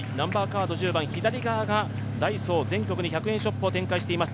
１０番、左側がダイソー、全国に１００円ショップを展開しています。